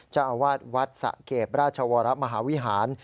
เจ้าอาวาสวัดสะเกดราชวรมหาวิหาร